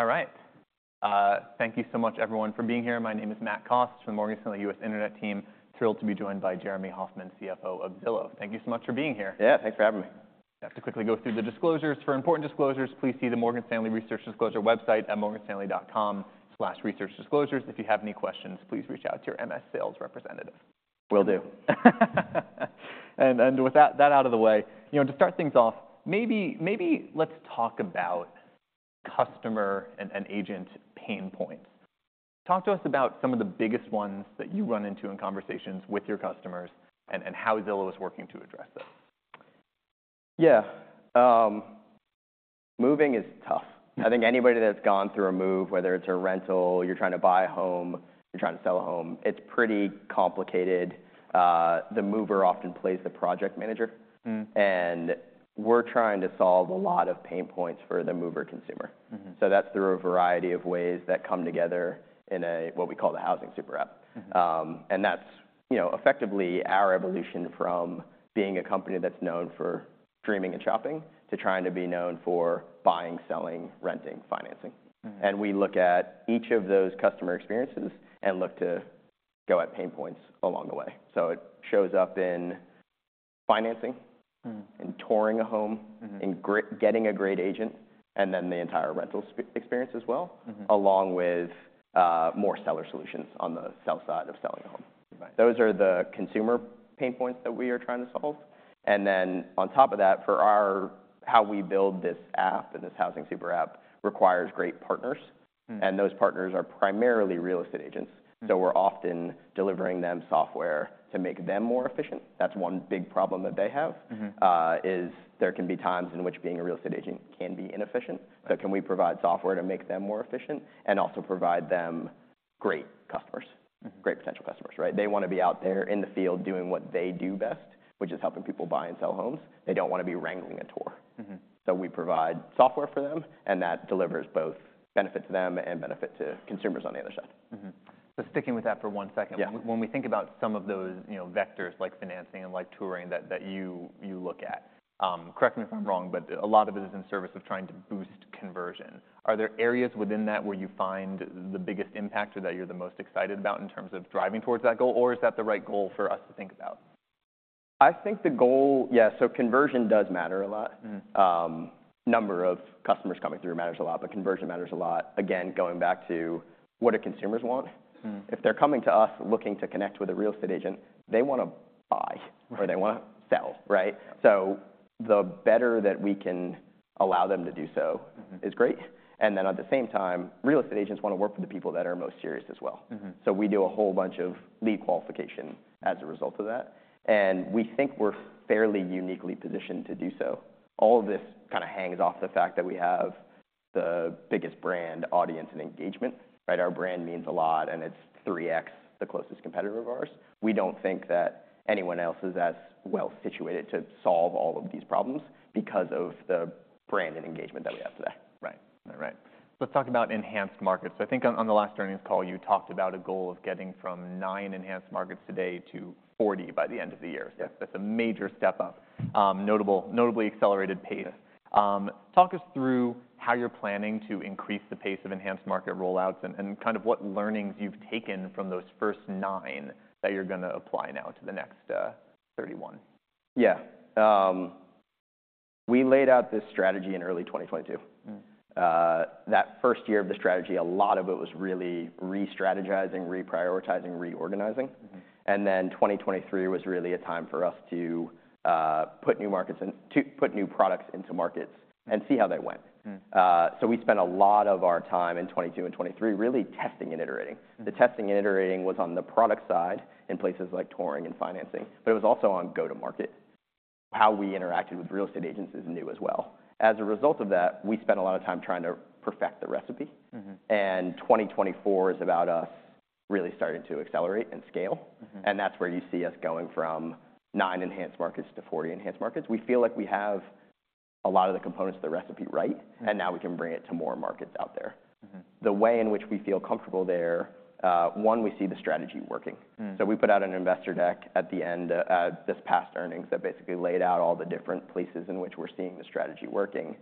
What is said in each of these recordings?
All right. Thank you so much, everyone, for being here. My name is Matthew Cost from the Morgan Stanley U.S. Internet team. Thrilled to be joined by Jeremy Hofmann, CFO of Zillow. Thank you so much for being here. Yeah, thanks for having me. I have to quickly go through the disclosures. For important disclosures, please see the Morgan Stanley Research Disclosure website at morganstanley.com/researchdisclosures. If you have any questions, please reach out to your MS sales representative. Will do. With that out of the way, you know, to start things off, maybe let's talk about customer and agent pain points. Talk to us about some of the biggest ones that you run into in conversations with your customers and how Zillow is working to address those. Yeah. Moving is tough. I think anybody that's gone through a move, whether it's a rental, you're trying to buy a home, you're trying to sell a home, it's pretty complicated. The mover often plays the project manager. Mm-hmm. We're trying to solve a lot of pain points for the mover consumer. Mm-hmm. That's through a variety of ways that come together in what we call the Housing Super App. Mm-hmm. and that's, you know, effectively our evolution from being a company that's known for dreaming and shopping to trying to be known for buying, selling, renting, financing. Mm-hmm. We look at each of those customer experiences and look to go at pain points along the way. It shows up in financing. Mm-hmm. In touring a home. Mm-hmm. Including getting a great agent, and then the entire rental experience as well. Mm-hmm. Along with more seller solutions on the sell side of selling a home. Right. Those are the consumer pain points that we are trying to solve. And then on top of that, for our how we build this app and this Housing Super App requires great partners. Mm-hmm. Those partners are primarily real estate agents. Mm-hmm. We're often delivering them software to make them more efficient. That's one big problem that they have. Mm-hmm. Yes, there can be times in which being a real estate agent can be inefficient. Right. Can we provide software to make them more efficient and also provide them great customers? Mm-hmm. Great potential customers, right? They wanna be out there in the field doing what they do best, which is helping people buy and sell homes. They don't wanna be wrangling a tour. Mm-hmm. So we provide software for them, and that delivers both benefit to them and benefit to consumers on the other side. Mm-hmm. So sticking with that for one second. Yeah. When we think about some of those, you know, vectors like financing and like touring that you look at, correct me if I'm wrong, but a lot of it is in service of trying to boost conversion. Are there areas within that where you find the biggest impact or that you're the most excited about in terms of driving towards that goal, or is that the right goal for us to think about? I think the goal, yeah, so conversion does matter a lot. Mm-hmm. Number of customers coming through matters a lot, but conversion matters a lot. Again, going back to what do consumers want? Mm-hmm. If they're coming to us looking to connect with a real estate agent, they wanna buy. Right. Or they wanna sell, right? Right. So the better that we can allow them to do so. Mm-hmm. It's great. At the same time, real estate agents wanna work with the people that are most serious as well. Mm-hmm. So we do a whole bunch of lead qualification as a result of that. And we think we're fairly uniquely positioned to do so. All of this kinda hangs off the fact that we have the biggest brand audience and engagement, right? Our brand means a lot, and it's 3x the closest competitor of ours. We don't think that anyone else is as well situated to solve all of these problems because of the brand and engagement that we have today. Right. All right. Let's talk about enhanced markets. So I think on the last earnings call, you talked about a goal of getting from nine enhanced markets today to 40 by the end of the year. Yes. So that's a major step up. Notably accelerated pace. Yes. Talk us through how you're planning to increase the pace of enhanced market rollouts and kind of what learnings you've taken from those first 9 that you're gonna apply now to the next 31. Yeah. We laid out this strategy in early 2022. Mm-hmm. That first year of the strategy, a lot of it was really restrategizing, reprioritizing, reorganizing. Mm-hmm. And then 2023 was really a time for us to put new markets in, to put new products into markets. Mm-hmm. And see how they went. Mm-hmm. We spent a lot of our time in 2022 and 2023 really testing and iterating. Mm-hmm. The testing and iterating was on the product side in places like touring and financing, but it was also on go-to-market. How we interacted with real estate agents is new as well. As a result of that, we spent a lot of time trying to perfect the recipe. Mm-hmm. 2024 is about us really starting to accelerate and scale. Mm-hmm. That's where you see us going from nine enhanced markets to 40 enhanced markets. We feel like we have a lot of the components of the recipe right. Mm-hmm. Now we can bring it to more markets out there. Mm-hmm. The way in which we feel comfortable there, one, we see the strategy working. Mm-hmm. So we put out an investor deck at the end of this past earnings that basically laid out all the different places in which we're seeing the strategy working.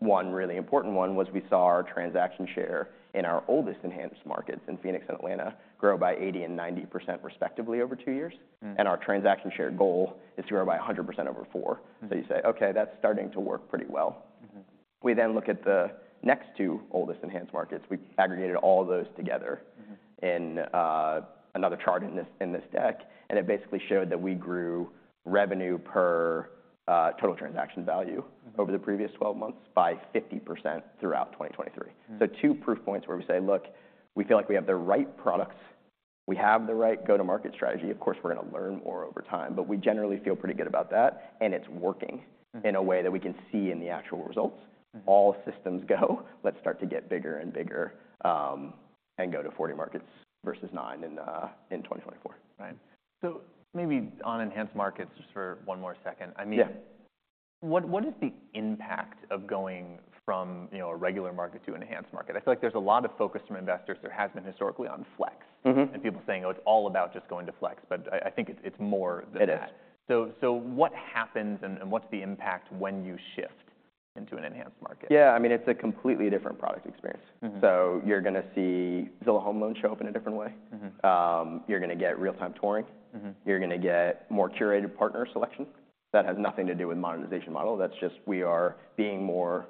One really important one was we saw our transaction share in our oldest enhanced markets in Phoenix and Atlanta grow by 80% and 90% respectively over two years. Mm-hmm. Our transaction share goal is to grow by 100% over four. Mm-hmm. So you say, "Okay, that's starting to work pretty well. Mm-hmm. We then look at the next two oldest enhanced markets. We aggregated all those together. Mm-hmm. In another chart in this deck. It basically showed that we grew revenue per total transaction value. Mm-hmm. Over the previous 12 months by 50% throughout 2023. Mm-hmm. So two proof points where we say, "Look, we feel like we have the right products. We have the right go-to-market strategy. Of course, we're gonna learn more over time, but we generally feel pretty good about that. And it's working. Mm-hmm. In a way that we can see in the actual results. Mm-hmm. All systems go, let's start to get bigger and bigger, and go to 40 markets versus 9 in 2024. Right. So maybe on enhanced markets just for one more second. I mean. Yeah. What, what is the impact of going from, you know, a regular market to an enhanced market? I feel like there's a lot of focus from investors; there has been historically on Flex. Mm-hmm. And people saying, "Oh, it's all about just going to Flex," but I, I think it's, it's more than that. It is. So what happens and what's the impact when you shift into an enhanced market? Yeah. I mean, it's a completely different product experience. Mm-hmm. You're gonna see Zillow Home Loans show up in a different way. Mm-hmm. You're gonna get Real-Time Touring. Mm-hmm. You're gonna get more curated partner selection. That has nothing to do with monetization model. That's just we are being more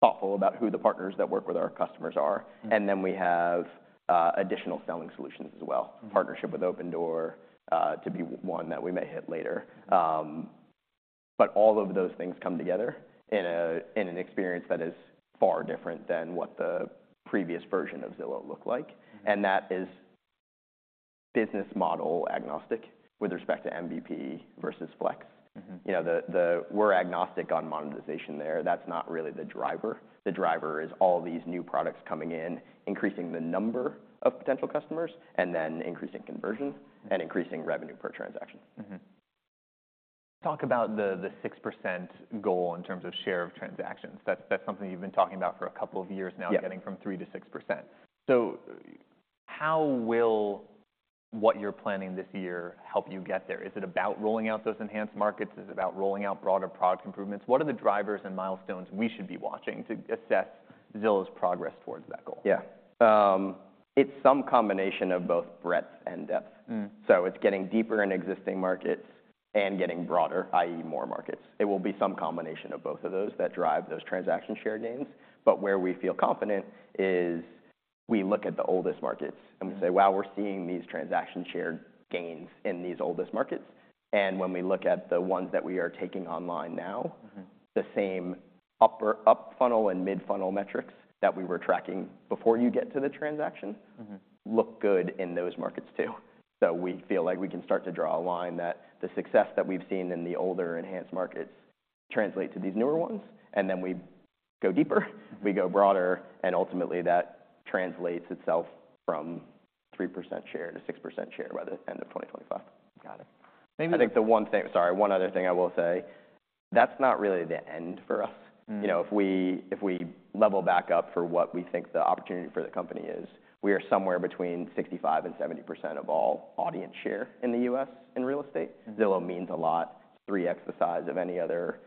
thoughtful about who the partners that work with our customers are. Mm-hmm. And then we have additional selling solutions as well. Mm-hmm. Partnership with Opendoor, to be one that we may hit later. But all of those things come together in an experience that is far different than what the previous version of Zillow looked like. Mm-hmm. That is business model agnostic with respect to MBP versus Flex. Mm-hmm. You know, we're agnostic on monetization there. That's not really the driver. The driver is all these new products coming in, increasing the number of potential customers, and then increasing conversion. Mm-hmm. Increasing revenue per transaction. Mm-hmm. Talk about the 6% goal in terms of share of transactions. That's something you've been talking about for a couple of years now. Yeah. Getting from 3%-6%. So how will what you're planning this year help you get there? Is it about rolling out those enhanced markets? Is it about rolling out broader product improvements? What are the drivers and milestones we should be watching to assess Zillow's progress towards that goal? Yeah. It's some combination of both breadth and depth. Mm-hmm. It's getting deeper in existing markets and getting broader, i.e., more markets. It will be some combination of both of those that drive those transaction share gains. But where we feel confident is we look at the oldest markets. Mm-hmm. We say, "Wow, we're seeing these transaction share gains in these oldest markets." And when we look at the ones that we are taking online now. Mm-hmm. The same upper, up funnel and mid funnel metrics that we were tracking before you get to the transaction. Mm-hmm. Look good in those markets too. So we feel like we can start to draw a line that the success that we've seen in the older enhanced markets translate to these newer ones. And then we go deeper. Mm-hmm. We go broader. Ultimately, that translates itself from 3%-6% share by the end of 2025. Got it. Maybe. I think the one thing, sorry, one other thing I will say. That's not really the end for us. Mm-hmm. You know, if we level back up for what we think the opportunity for the company is, we are somewhere between 65%-70% of all audience share in the US in real estate. Mm-hmm. Zillow means a lot. It's 3x the size of any other,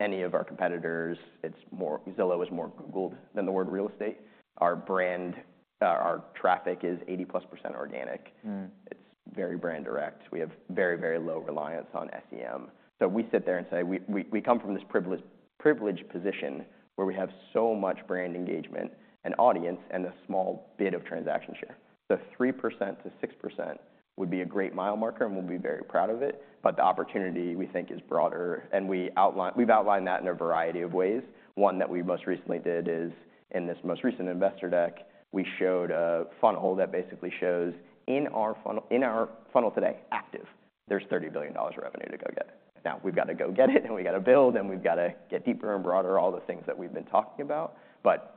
any of our competitors. It's more. Zillow is more Googled than the word real estate. Our brand, our traffic is 80%+ organic. Mm-hmm. It's very brand direct. We have very, very low reliance on SEM. So we sit there and say, "We, we, we come from this privileged, privileged position where we have so much brand engagement and audience and a small bit of transaction share." So 3%-6% would be a great mile marker and we'll be very proud of it. But the opportunity we think is broader. And we outline we've outlined that in a variety of ways. One that we most recently did is in this most recent investor deck, we showed a funnel that basically shows in our funnel in our funnel today, active, there's $30 billion of revenue to go get. Now, we've gotta go get it, and we gotta build, and we've gotta get deeper and broader, all the things that we've been talking about.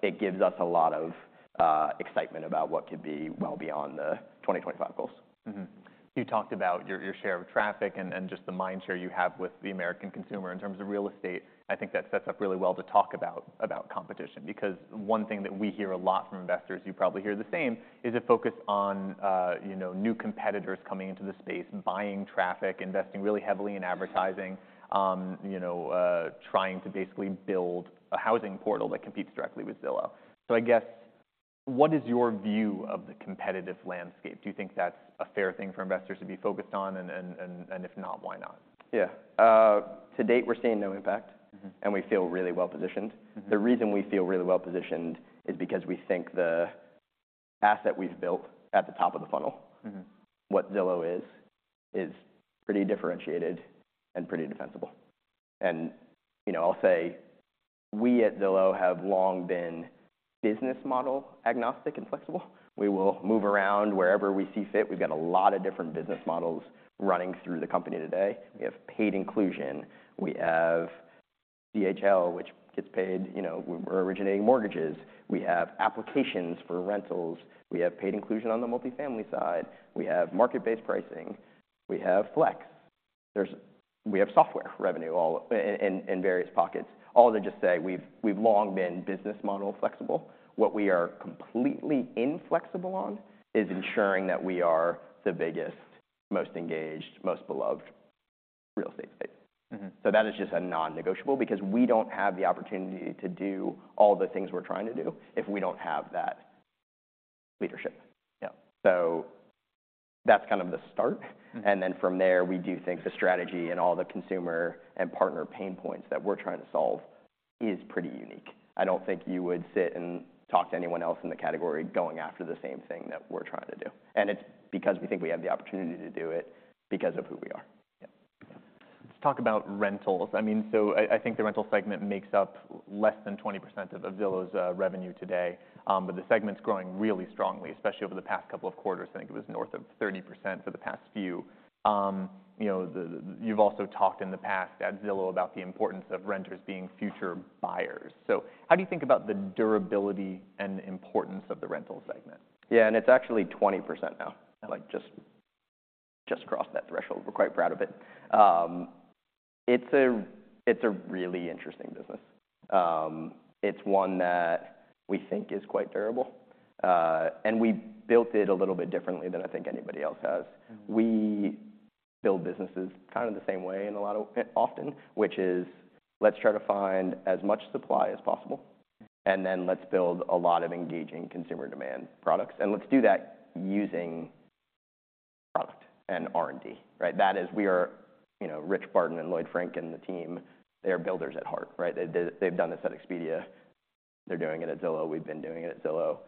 It gives us a lot of excitement about what could be well beyond the 2025 goals. Mm-hmm. You talked about your share of traffic and just the mindshare you have with the American consumer in terms of real estate. I think that sets up really well to talk about competition. Because one thing that we hear a lot from investors, you probably hear the same, is a focus on, you know, new competitors coming into the space, buying traffic, investing really heavily in advertising, you know, trying to basically build a housing portal that competes directly with Zillow. So I guess what is your view of the competitive landscape? Do you think that's a fair thing for investors to be focused on? And if not, why not? Yeah. To date, we're seeing no impact. Mm-hmm. We feel really well positioned. Mm-hmm. The reason we feel really well positioned is because we think the asset we've built at the top of the funnel. Mm-hmm. What Zillow is, is pretty differentiated and pretty defensible. You know, I'll say we at Zillow have long been business model agnostic and flexible. We will move around wherever we see fit. We've got a lot of different business models running through the company today. We have paid inclusion. We have ZHL, which gets paid, you know, when we're originating mortgages. We have applications for rentals. We have paid inclusion on the multifamily side. We have market-based pricing. We have flex. There we have software revenue all in various pockets. All to just say we've long been business model flexible. What we are completely inflexible on is ensuring that we are the biggest, most engaged, most beloved real estate space. Mm-hmm. So that is just a non-negotiable because we don't have the opportunity to do all the things we're trying to do if we don't have that leadership. Yeah. So that's kind of the start. Mm-hmm. And then from there, we do think the strategy and all the consumer and partner pain points that we're trying to solve is pretty unique. I don't think you would sit and talk to anyone else in the category going after the same thing that we're trying to do. And it's because we think we have the opportunity to do it because of who we are. Yeah. Yeah. Let's talk about rentals. I mean, so I think the rental segment makes up less than 20% of Zillow's revenue today. But the segment's growing really strongly, especially over the past couple of quarters. I think it was north of 30% for the past few. You know, you've also talked in the past at Zillow about the importance of renters being future buyers. So how do you think about the durability and importance of the rental segment? Yeah. And it's actually 20% now. Yeah. Like, just, just crossed that threshold. We're quite proud of it. It's a It's a really interesting business. It's one that we think is quite durable. And we built it a little bit differently than I think anybody else has. Mm-hmm. We build businesses kinda the same way in a lot of often, which is, let's try to find as much supply as possible. Mm-hmm. And then let's build a lot of engaging consumer demand products. And let's do that using product and R&D, right? That is we are, you know, Rich Barton and Lloyd Frink and the team, they are builders at heart, right? They, they've done this at Expedia. They're doing it at Zillow. We've been doing it at Zillow.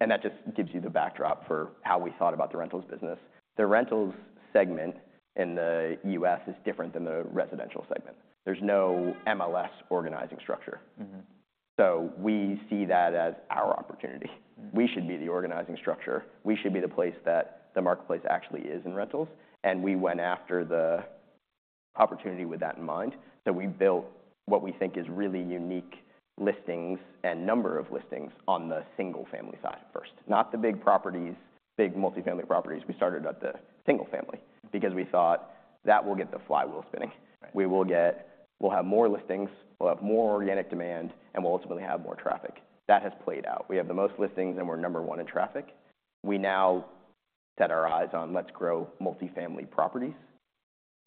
And that just gives you the backdrop for how we thought about the rentals business. The rentals segment in the U.S. is different than the residential segment. There's no MLS organizing structure. Mm-hmm. We see that as our opportunity. Mm-hmm. We should be the organizing structure. We should be the place that the marketplace actually is in rentals. And we went after the opportunity with that in mind. So we built what we think is really unique listings and number of listings on the single-family side first. Not the big properties, big multifamily properties. We started at the single-family. Mm-hmm. Because we thought that will get the flywheel spinning. Right. We'll have more listings. We'll have more organic demand, and we'll ultimately have more traffic. That has played out. We have the most listings, and we're number one in traffic. We now set our eyes on: let's grow multifamily properties.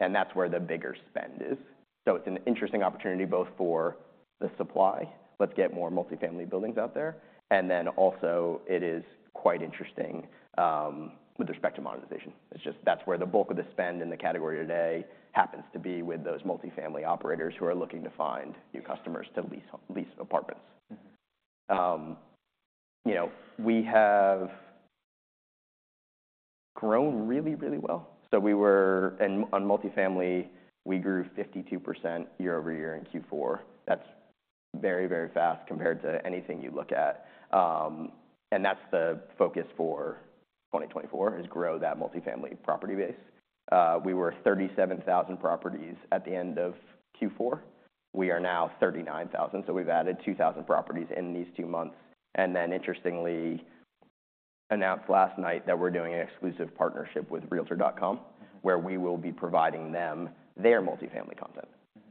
And that's where the bigger spend is. So it's an interesting opportunity both for the supply. Let's get more multifamily buildings out there. And then also, it is quite interesting, with respect to monetization. It's just that's where the bulk of the spend in the category today happens to be with those multifamily operators who are looking to find new customers to lease apartments. Mm-hmm. You know, we have grown really, really well. So we were in on multifamily, we grew 52% year-over-year in Q4. That's very, very fast compared to anything you look at. And that's the focus for 2024 is grow that multifamily property base. We were 37,000 properties at the end of Q4. We are now 39,000. So we've added 2,000 properties in these two months. And then interestingly, announced last night that we're doing an exclusive partnership with Realtor.com. Mm-hmm. Where we will be providing them their multifamily content.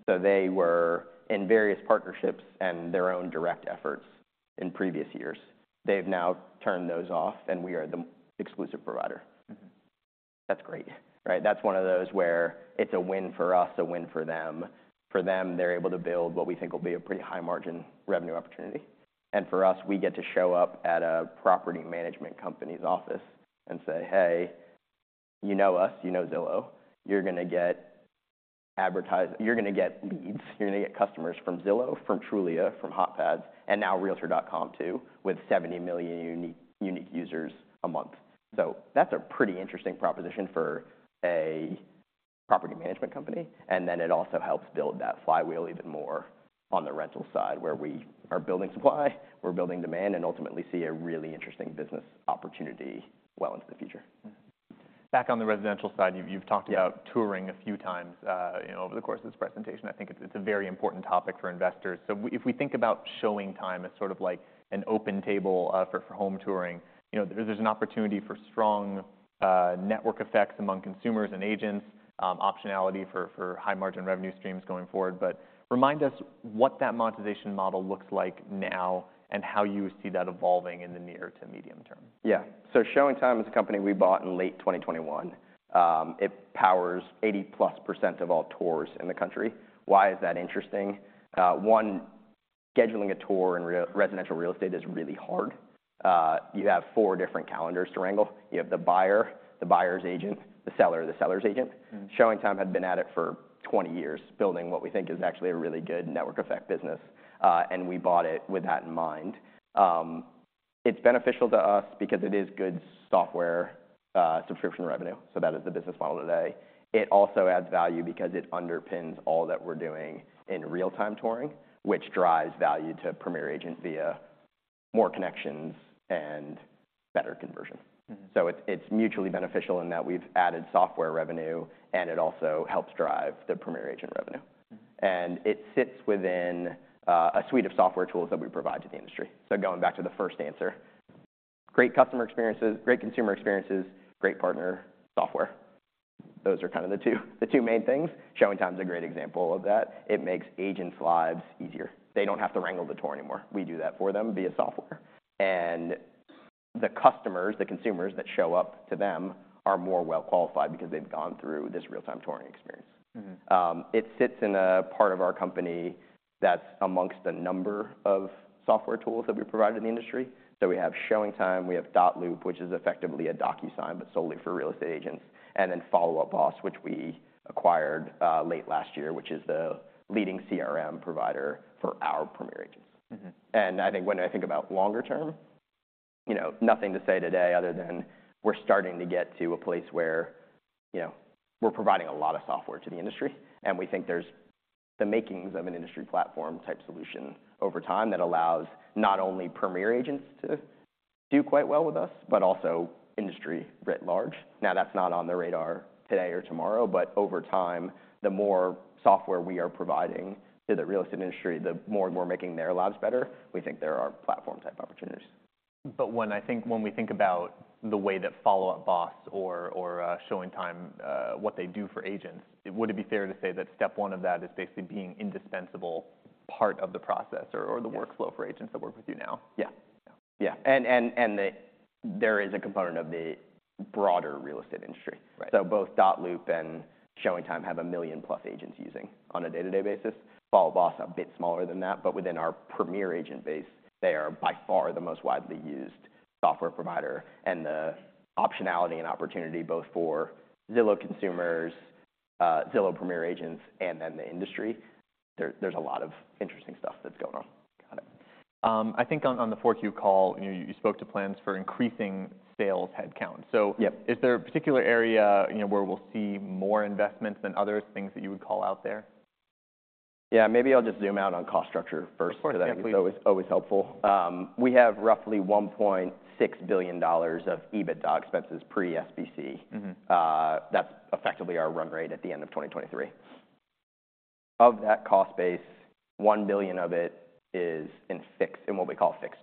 Mm-hmm. They were in various partnerships and their own direct efforts in previous years. They've now turned those off, and we are the exclusive provider. Mm-hmm. That's great, right? That's one of those where it's a win for us, a win for them. For them, they're able to build what we think will be a pretty high-margin revenue opportunity. And for us, we get to show up at a property management company's office and say, "Hey, you know us. You know Zillow. You're gonna get ads. You're gonna get leads. You're gonna get customers from Zillow, from Trulia, from HotPads, and now Realtor.com too with 70 million unique users a month." So that's a pretty interesting proposition for a property management company. And then it also helps build that flywheel even more on the rental side where we are building supply, we're building demand, and ultimately see a really interesting business opportunity well into the future. Mm-hmm. Back on the residential side, you've, you've talked about touring a few times, you know, over the course of this presentation. I think it's, it's a very important topic for investors. So if we think about ShowingTime as sort of like an OpenTable, for, for home touring, you know, there's, there's an opportunity for strong, network effects among consumers and agents, optionality for, for high-margin revenue streams going forward. But remind us what that monetization model looks like now and how you see that evolving in the near to medium term. Yeah. So ShowingTime is a company we bought in late 2021. It powers 80%+ of all tours in the country. Why is that interesting? One, scheduling a tour in residential real estate is really hard. You have four different calendars to wrangle. You have the buyer, the buyer's agent, the seller, the seller's agent. Mm-hmm. ShowingTime had been at it for 20 years, building what we think is actually a really good network effect business. We bought it with that in mind. It's beneficial to us because it is good software, subscription revenue. So that is the business model today. It also adds value because it underpins all that we're doing in Real-Time Touring, which drives value to Premier Agent via more connections and better conversion. Mm-hmm. So it's mutually beneficial in that we've added software revenue, and it also helps drive the Premier Agent revenue. Mm-hmm. And it sits within a suite of software tools that we provide to the industry. So going back to the first answer. Great customer experiences, great consumer experiences, great partner software. Those are kinda the two, the two main things. ShowingTime's a great example of that. It makes agents' lives easier. They don't have to wrangle the tour anymore. We do that for them via software. And the customers, the consumers that show up to them are more well qualified because they've gone through this Real-Time Touring experience. Mm-hmm. It sits in a part of our company that's amongst a number of software tools that we provide to the industry. So we have ShowingTime. We have Dotloop, which is effectively a DocuSign but solely for real estate agents. And then Follow Up Boss, which we acquired, late last year, which is the leading CRM provider for our Premier Agents. Mm-hmm. And I think when I think about longer term, you know, nothing to say today other than we're starting to get to a place where, you know, we're providing a lot of software to the industry. And we think there's the makings of an industry platform type solution over time that allows not only Premier Agents to do quite well with us but also industry writ large. Now, that's not on the radar today or tomorrow. But over time, the more software we are providing to the real estate industry, the more we're making their lives better. We think there are platform type opportunities. When we think about the way that Follow Up Boss or ShowingTime, what they do for agents, would it be fair to say that step one of that is basically being an indispensable part of the process or the workflow for agents that work with you now? Yeah. Yeah. And there is a component of the broader real estate industry. Right. Both Dotloop and ShowingTime have 1 million-plus agents using on a day-to-day basis. Follow Up Boss is a bit smaller than that. Within our Premier Agent base, they are by far the most widely used software provider. The optionality and opportunity both for Zillow consumers, Zillow Premier Agents, and then the industry, there, there's a lot of interesting stuff that's going on. Got it. I think on the 4Q call, you know, you spoke to plans for increasing sales headcount. So. Yep. Is there a particular area, you know, where we'll see more investments than others, things that you would call out there? Yeah. Maybe I'll just zoom out on cost structure first. Of course. So that is always, always helpful. We have roughly $1.6 billion of EBITDA expenses pre-SBC. Mm-hmm. That's effectively our run rate at the end of 2023. Of that cost base, $1 billion of it is in fixed in what we call fixed.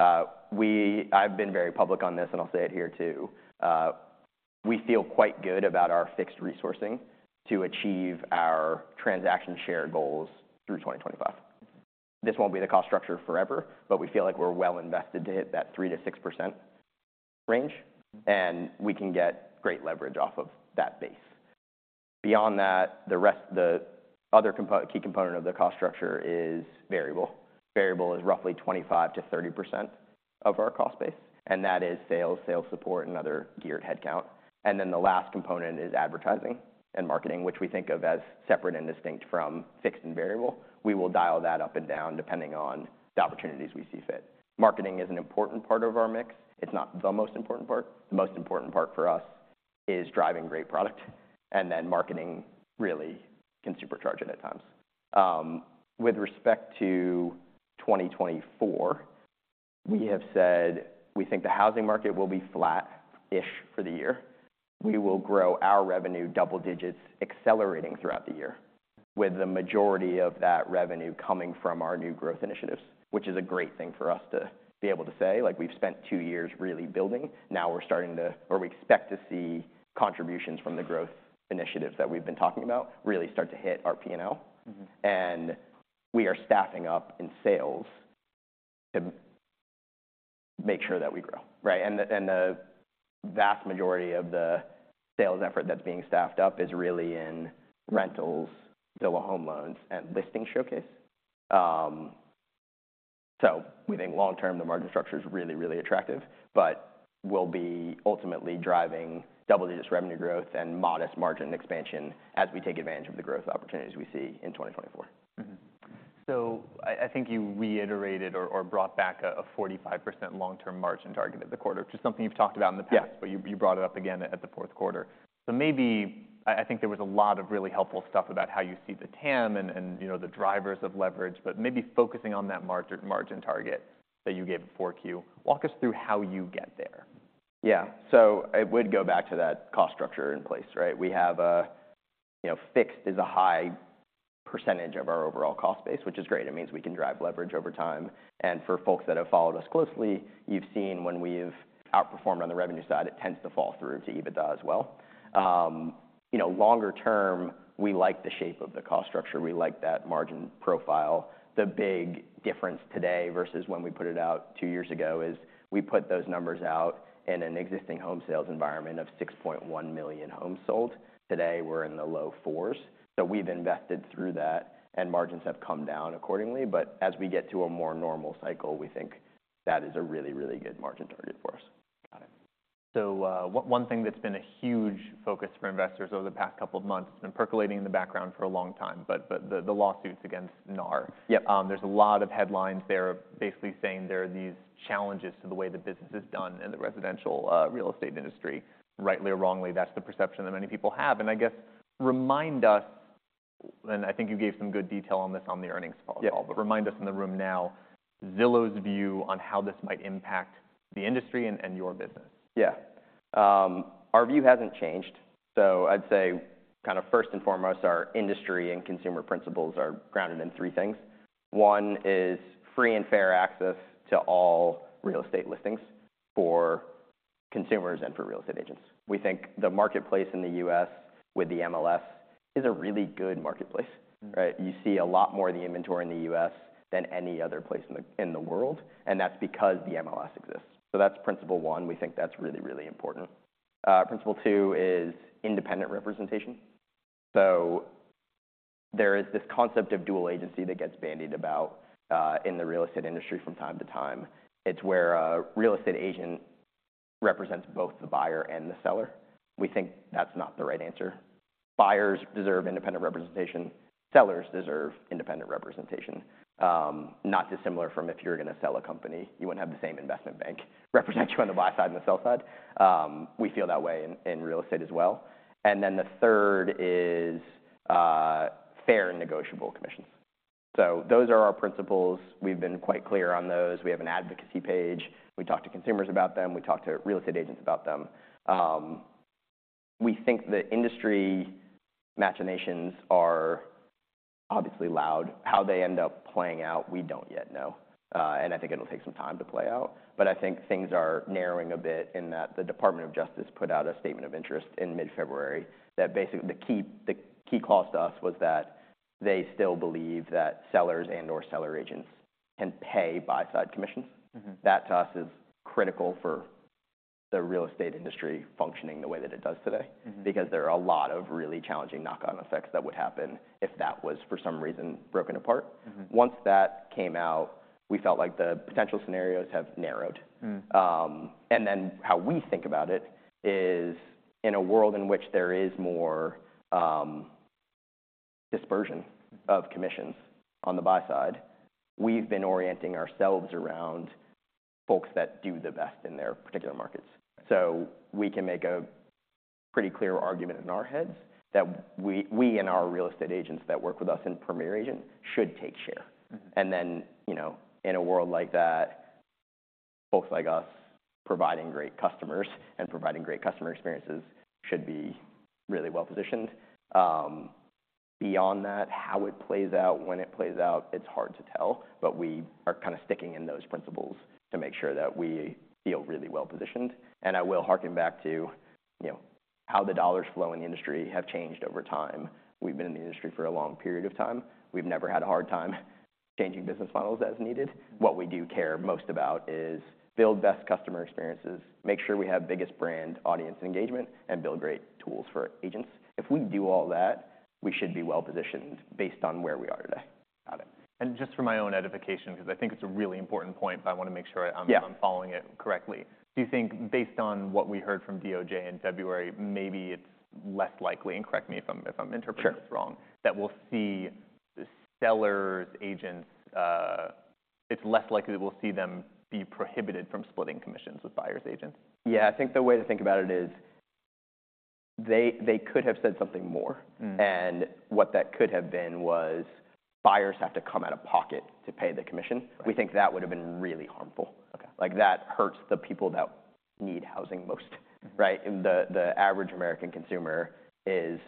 I've been very public on this, and I'll say it here too. We feel quite good about our fixed resourcing to achieve our transaction share goals through 2025. Mm-hmm. This won't be the cost structure forever, but we feel like we're well invested to hit that 3%-6% range. Mm-hmm. And we can get great leverage off of that base. Beyond that, the rest, the other key component of the cost structure is variable. Variable is roughly 25%-30% of our cost base. And that is sales, sales support, and other G&A headcount. And then the last component is advertising and marketing, which we think of as separate and distinct from fixed and variable. We will dial that up and down depending on the opportunities we see fit. Marketing is an important part of our mix. It's not the most important part. The most important part for us is driving great product. And then marketing really can supercharge it at times. With respect to 2024, we have said we think the housing market will be flat-ish for the year. We will grow our revenue double digits accelerating throughout the year with the majority of that revenue coming from our new growth initiatives, which is a great thing for us to be able to say. Like, we've spent two years really building. Now, we're starting to or we expect to see contributions from the growth initiatives that we've been talking about really start to hit our P&L. Mm-hmm. And we are staffing up in sales to make sure that we grow, right? And the vast majority of the sales effort that's being staffed up is really in rentals, Zillow Home Loans, and Listing Showcase. So we think long term, the margin structure's really, really attractive but will be ultimately driving double digits revenue growth and modest margin expansion as we take advantage of the growth opportunities we see in 2024. Mm-hmm. So I think you reiterated or brought back a 45% long-term margin target at the quarter, which is something you've talked about in the past. Yes. But you brought it up again at the fourth quarter. So maybe I think there was a lot of really helpful stuff about how you see the TAM and, you know, the drivers of leverage. But maybe, focusing on that margin target that you gave at 4Q, walk us through how you get there. Yeah. So it would go back to that cost structure in place, right? We have, you know, fixed is a high percentage of our overall cost base, which is great. It means we can drive leverage over time. And for folks that have followed us closely, you've seen when we've outperformed on the revenue side, it tends to fall through to EBITDA as well. You know, longer term, we like the shape of the cost structure. We like that margin profile. The big difference today versus when we put it out two years ago is we put those numbers out in an existing home sales environment of 6.1 million homes sold. Today, we're in the low fours. So we've invested through that, and margins have come down accordingly. But as we get to a more normal cycle, we think that is a really, really good margin target for us. Got it. So, one thing that's been a huge focus for investors over the past couple of months. It's been percolating in the background for a long time, but the lawsuits against NAR. Yep. There's a lot of headlines there basically saying there are these challenges to the way the business is done in the residential real estate industry. Rightly or wrongly, that's the perception that many people have. I guess remind us and I think you gave some good detail on this on the earnings call. Yeah. But remind us in the room now Zillow's view on how this might impact the industry and your business? Yeah. Our view hasn't changed. So I'd say kinda first and foremost, our industry and consumer principles are grounded in three things. One is free and fair access to all real estate listings for consumers and for real estate agents. We think the marketplace in the U.S. with the MLS is a really good marketplace, right? You see a lot more of the inventory in the U.S. than any other place in the world. And that's because the MLS exists. So that's principle one. We think that's really, really important. Principle two is independent representation. So there is this concept of dual agency that gets bandied about, in the real estate industry from time to time. It's where a real estate agent represents both the buyer and the seller. We think that's not the right answer. Buyers deserve independent representation. Sellers deserve independent representation. Not dissimilar from if you're gonna sell a company. You wouldn't have the same investment bank represent you on the buy side and the sell side. We feel that way in, in real estate as well. And then the third is, fair and negotiable commissions. So those are our principles. We've been quite clear on those. We have an advocacy page. We talk to consumers about them. We talk to real estate agents about them. We think the industry machinations are obviously loud. How they end up playing out, we don't yet know. And I think it'll take some time to play out. But I think things are narrowing a bit in that the Department of Justice put out a statement of interest in mid-February that basically the key the key clause to us was that they still believe that sellers and/or seller agents can pay buy-side commissions. Mm-hmm. That, to us, is critical for the real estate industry functioning the way that it does today. Mm-hmm. Because there are a lot of really challenging knock-on effects that would happen if that was for some reason broken apart. Mm-hmm. Once that came out, we felt like the potential scenarios have narrowed. Mm-hmm. and then how we think about it is in a world in which there is more dispersion. Mm-hmm. Of commissions on the buy side, we've been orienting ourselves around folks that do the best in their particular markets. Right. So we can make a pretty clear argument in our heads that we and our real estate agents that work with us in Premier Agent should take share. Mm-hmm. And then, you know, in a world like that, folks like us providing great customers and providing great customer experiences should be really well positioned. Beyond that, how it plays out, when it plays out, it's hard to tell. But we are kinda sticking in those principles to make sure that we feel really well positioned. And I will harken back to, you know, how the dollars flow in the industry have changed over time. We've been in the industry for a long period of time. We've never had a hard time changing business models as needed. What we do care most about is build best customer experiences, make sure we have biggest brand audience engagement, and build great tools for agents. If we do all that, we should be well positioned based on where we are today. Got it. Just for my own edification 'cause I think it's a really important point, but I wanna make sure I'm following it correctly. Yeah. Do you think based on what we heard from DOJ in February, maybe it's less likely and correct me if I'm interpreting this wrong? Sure. That we'll see the sellers agents, it's less likely that we'll see them be prohibited from splitting commissions with buyers agents? Yeah. I think the way to think about it is they could have said something more. Mm-hmm. What that could have been was buyers have to come out of pocket to pay the commission. Right. We think that would have been really harmful. Okay. Like, that hurts the people that need housing most, right? And the average American consumer is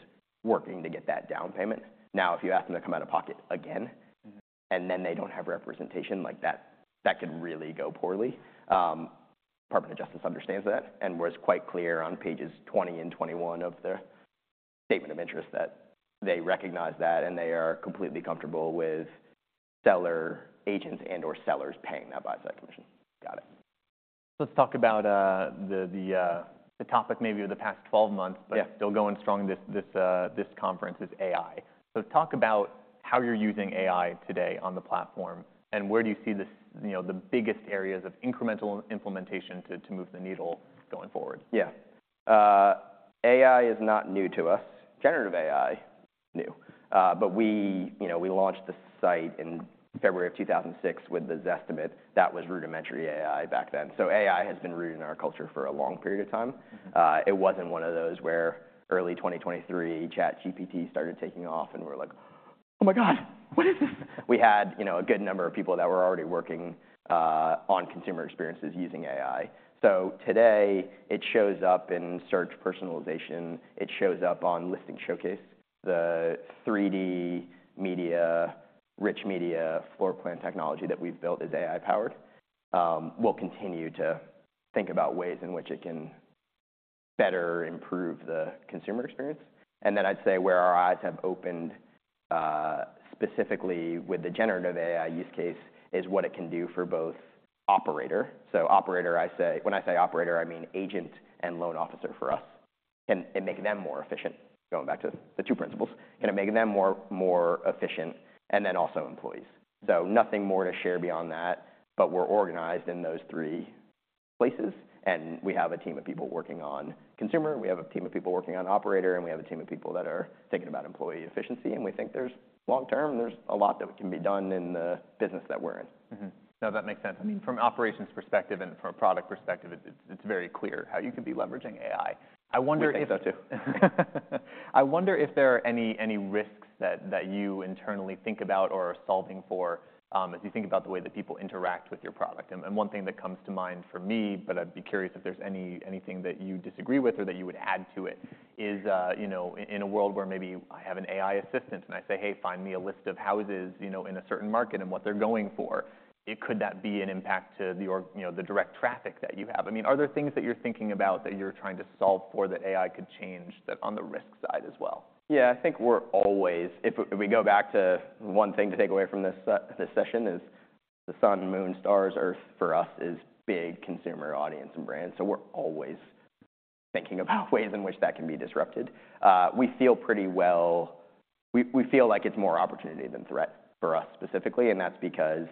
working to get that down payment. Now, if you ask them to come out of pocket again. Mm-hmm. And then they don't have representation, like, that, that could really go poorly. Department of Justice understands that and was quite clear on pages 20 and 21 of the statement of interest that they recognize that and they are completely comfortable with seller, agents, and/or sellers paying that buy-side commission. Got it. Let's talk about the topic maybe of the past 12 months. Yes. But still going strong, this conference is AI. So talk about how you're using AI today on the platform and where do you see this, you know, the biggest areas of incremental implementation to move the needle going forward? Yeah. AI is not new to us. Generative AI, new. But we, you know, we launched the site in February of 2006 with Zestimate. That was rudimentary AI back then. So AI has been rooted in our culture for a long period of time. Mm-hmm. It wasn't one of those where early 2023, ChatGPT started taking off, and we were like, "Oh my God. What is this?" We had, you know, a good number of people that were already working on consumer experiences using AI. So today, it shows up in search personalization. It shows up on Listing Showcase. The 3D media, rich media floor plan technology that we've built is AI-powered. We'll continue to think about ways in which it can better improve the consumer experience. And then I'd say where our eyes have opened, specifically with the generative AI use case is what it can do for both operator. So operator, I say when I say operator, I mean agent and loan officer for us. Can it make them more efficient? Going back to the two principles. Can it make them more efficient and then also employees? So nothing more to share beyond that. But we're organized in those three places, and we have a team of people working on consumer. We have a team of people working on operator, and we have a team of people that are thinking about employee efficiency. And we think there's long term, there's a lot that can be done in the business that we're in. Mm-hmm. No, that makes sense. I mean, from operations perspective and from a product perspective, it's, it's very clear how you could be leveraging AI. I wonder if. We think so too. I wonder if there are any risks that you internally think about or are solving for, as you think about the way that people interact with your product. And one thing that comes to mind for me, but I'd be curious if there's anything that you disagree with or that you would add to it is, you know, in a world where maybe I have an AI assistant, and I say, "Hey, find me a list of houses, you know, in a certain market and what they're going for," could that be an impact to the org, you know, the direct traffic that you have? I mean, are there things that you're thinking about that you're trying to solve for that AI could change that on the risk side as well? Yeah. I think we're always, if we go back to one thing to take away from this session is the sun, moon, stars, earth for us is big consumer audience and brand. So we're always thinking about ways in which that can be disrupted. We feel pretty well, we feel like it's more opportunity than threat for us specifically. And that's because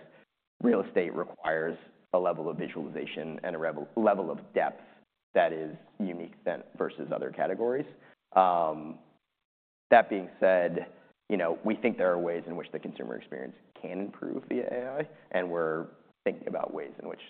real estate requires a level of visualization and a real level of depth that is unique than versus other categories. That being said, you know, we think there are ways in which the consumer experience can improve via AI. And we're thinking about ways in which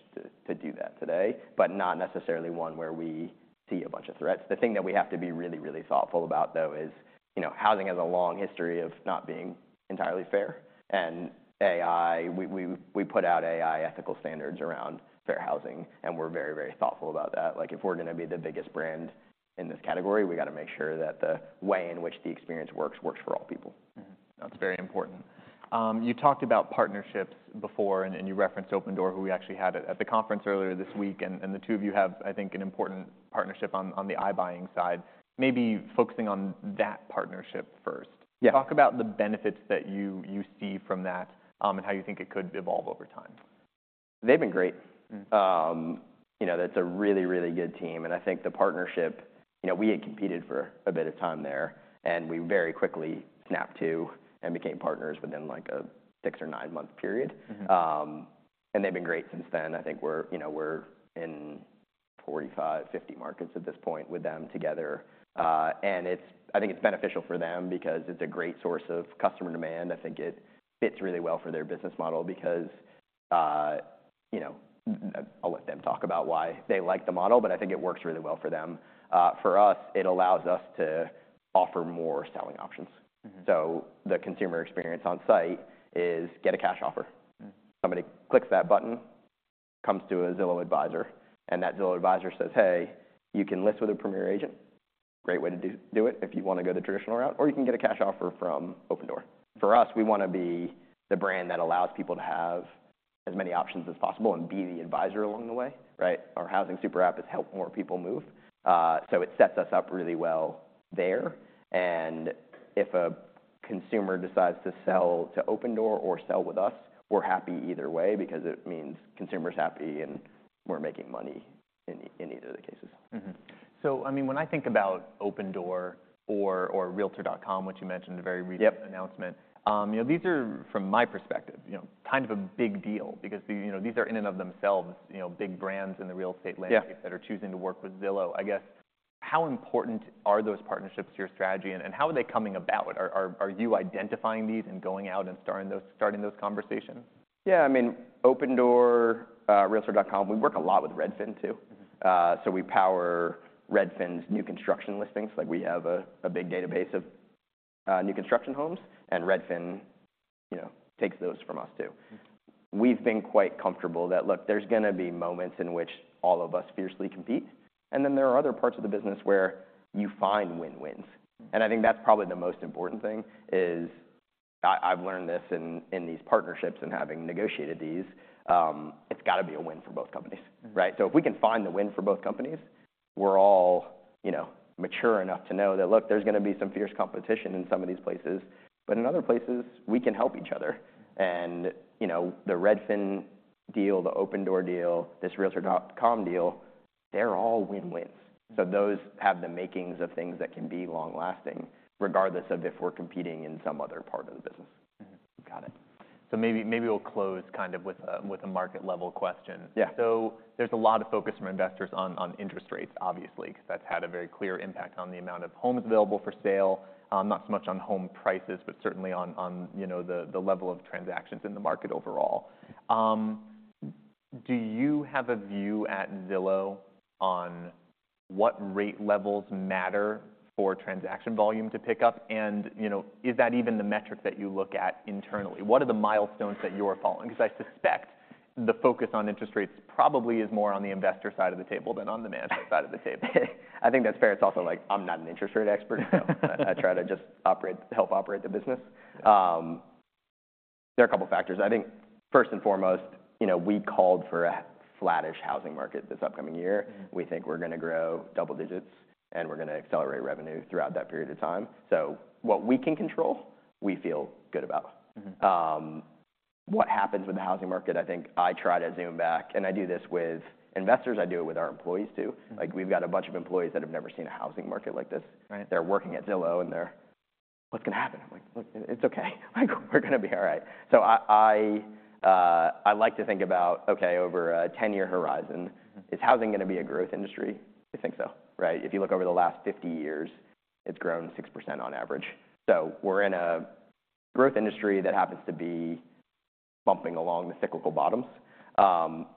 to do that today but not necessarily one where we see a bunch of threats. The thing that we have to be really, really thoughtful about, though, is, you know, housing has a long history of not being entirely fair. And AI we put out AI ethical standards around fair housing, and we're very, very thoughtful about that. Like, if we're gonna be the biggest brand in this category, we gotta make sure that the way in which the experience works works for all people. Mm-hmm. That's very important. You talked about partnerships before, and you referenced Opendoor, who we actually had at the conference earlier this week. And the two of you have, I think, an important partnership on the iBuying side. Maybe focusing on that partnership first. Yeah. Talk about the benefits that you see from that, and how you think it could evolve over time. They've been great. Mm-hmm. You know, that's a really, really good team. And I think the partnership you know, we had competed for a bit of time there, and we very quickly snapped to and became partners within like a 6- or 9-month period. Mm-hmm. And they've been great since then. I think we're, you know, we're in 45-50 markets at this point with them together. And I think it's beneficial for them because it's a great source of customer demand. I think it fits really well for their business model because, you know, I'll let them talk about why they like the model, but I think it works really well for them. For us, it allows us to offer more selling options. Mm-hmm. The consumer experience on site is get a cash offer. Mm-hmm. Somebody clicks that button, comes to a Zillow Advisor, and that Zillow Advisor says, "Hey, you can list with a Premier Agent. Great way to do, do it if you wanna go the traditional route. Or you can get a cash offer from Opendoor." For us, we wanna be the brand that allows people to have as many options as possible and be the advisor along the way, right? Our Housing Super App has helped more people move. So it sets us up really well there. And if a consumer decides to sell to Opendoor or sell with us, we're happy either way because it means consumer's happy, and we're making money in, in either of the cases. Mm-hmm. So, I mean, when I think about Opendoor or, or Realtor.com, which you mentioned a very recent announcement. Yep. You know, these are from my perspective, you know, kind of a big deal because you know, these are in and of themselves, you know, big brands in the real estate landscape that are choosing to work with Zillow. I guess how important are those partnerships to your strategy, and how are they coming about? Are you identifying these and going out and starting those conversations? Yeah. I mean, Opendoor, Realtor.com, we work a lot with Redfin too. Mm-hmm. We power Redfin's new construction listings. Like, we have a big database of new construction homes, and Redfin, you know, takes those from us too. Mm-hmm. We've been quite comfortable that, look, there's gonna be moments in which all of us fiercely compete. And then there are other parts of the business where you find win-wins. Mm-hmm. I think that's probably the most important thing is I've learned this in these partnerships and having negotiated these. It's gotta be a win for both companies, right? Mm-hmm. So if we can find the win for both companies, we're all, you know, mature enough to know that, look, there's gonna be some fierce competition in some of these places. But in other places, we can help each other. Mm-hmm. You know, the Redfin deal, the Opendoor deal, this Realtor.com deal, they're all win-wins. Mm-hmm. So those have the makings of things that can be long-lasting regardless of if we're competing in some other part of the business. Mm-hmm. Got it. So maybe, maybe we'll close kind of with a with a market-level question. Yeah. So there's a lot of focus from investors on, on interest rates, obviously, 'cause that's had a very clear impact on the amount of homes available for sale. Not so much on home prices but certainly on, on, you know, the, the level of transactions in the market overall. Do you have a view at Zillow on what rate levels matter for transaction volume to pick up? And, you know, is that even the metric that you look at internally? What are the milestones that you're following? 'Cause I suspect the focus on interest rates probably is more on the investor side of the table than on the manager side of the table. I think that's fair. It's also like, I'm not an interest rate expert, so I try to just operate help operate the business. There are a couple factors. I think first and foremost, you know, we called for a flat-ish housing market this upcoming year. Mm-hmm. We think we're gonna grow double digits, and we're gonna accelerate revenue throughout that period of time. What we can control, we feel good about. Mm-hmm. What happens with the housing market, I think I try to zoom back. I do this with investors. I do it with our employees too. Mm-hmm. Like, we've got a bunch of employees that have never seen a housing market like this. Right. They're working at Zillow, and they're, "What's gonna happen?" I'm like, "Look, it's okay. Like, we're gonna be all right." So I like to think about, okay, over a 10-year horizon. Mm-hmm. Is housing gonna be a growth industry? I think so, right? If you look over the last 50 years, it's grown 6% on average. So we're in a growth industry that happens to be bumping along the cyclical bottoms.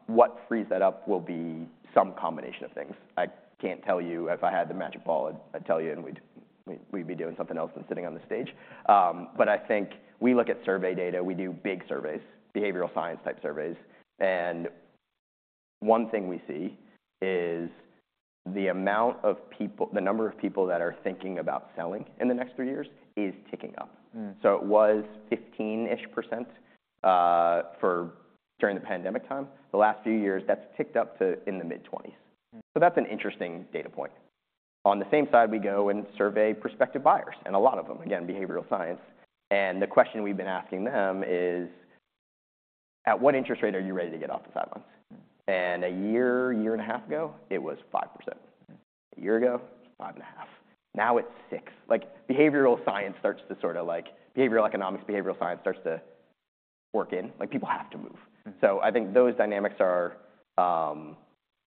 What frees that up will be some combination of things. I can't tell you. If I had the magic ball, I'd, I'd tell you, and we'd, we, we'd be doing something else than sitting on the stage. But I think we look at survey data. We do big surveys, behavioral science-type surveys. And one thing we see is the amount of people the number of people that are thinking about selling in the next three years is ticking up. Mm-hmm. So it was 15-ish%, for during the pandemic time. The last few years, that's ticked up to in the mid-20s%. Mm-hmm. That's an interesting data point. On the same side, we go and survey prospective buyers, and a lot of them, again, behavioral science. The question we've been asking them is, "At what interest rate are you ready to get off the sidelines? Mm-hmm. A year, year and a half ago, it was 5%. Mm-hmm. A year ago, it was 5.5. Now it's 6. Like, behavioral science starts to sorta like behavioral economics, behavioral science starts to work in. Like, people have to move. Mm-hmm. So I think those dynamics are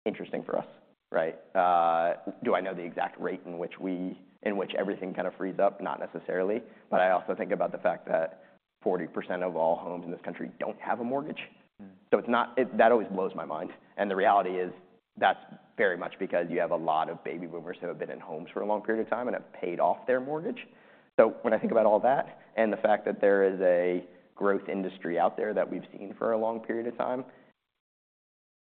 interesting for us, right? Do I know the exact rate in which we in which everything kinda frees up? Not necessarily. But I also think about the fact that 40% of all homes in this country don't have a mortgage. Mm-hmm. It's not that it always blows my mind. The reality is that's very much because you have a lot of baby boomers who have been in homes for a long period of time and have paid off their mortgage. When I think about all that and the fact that there is a growth industry out there that we've seen for a long period of time,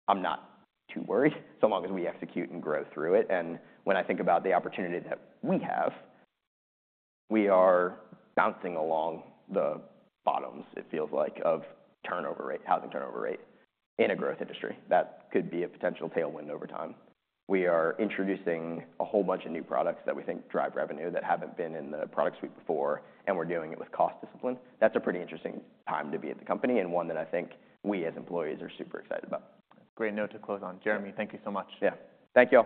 I'm not too worried so long as we execute and grow through it. When I think about the opportunity that we have, we are bouncing along the bottoms, it feels like, of turnover rate, housing turnover rate in a growth industry. That could be a potential tailwind over time. We are introducing a whole bunch of new products that we think drive revenue that haven't been in the product suite before, and we're doing it with cost discipline. That's a pretty interesting time to be at the company and one that I think we as employees are super excited about. Great note to close on. Jeremy, thank you so much. Yeah. Thank you.